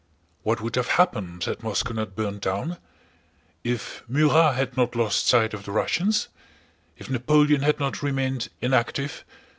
What would have happened had Moscow not burned down? If Murat had not lost sight of the Russians? If Napoleon had not remained inactive?